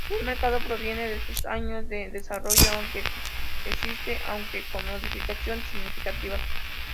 Un mercado proveniente de sus años de desarrollo aún existe, aunque con modificaciones significativas.